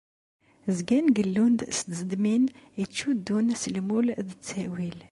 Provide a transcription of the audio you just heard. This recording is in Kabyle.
Zgan gellun-d s tzedmin i ttcuddun s lmul d ttawil.